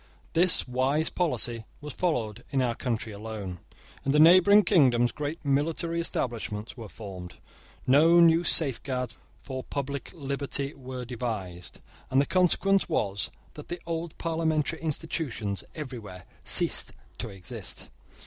This wise policy was followed in our country alone. In the neighbouring kingdoms great military establishments were formed; no new safeguards for public liberty were devised; and the consequence was, that the old parliamentary institutions everywhere ceased to exist.